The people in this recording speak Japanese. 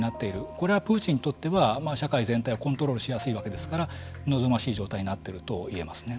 これはプーチンにとっては社会全体をコントロールしやすいわけですから望ましい状態になってると言えますね。